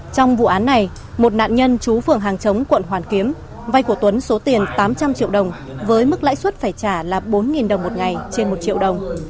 trong vụ án này một nạn nhân chú phường hàng chống quận hoàn kiếm vay của tuấn số tiền tám trăm linh triệu đồng với mức lãi suất phải trả là bốn đồng một ngày trên một triệu đồng